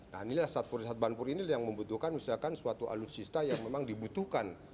nah inilah satuan satuan tempur ini yang membutuhkan misalkan suatu alutsista yang memang dibutuhkan